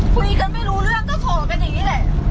คุยกันไม่รู้เรื่องก็ขอกันอย่างนี้แหละ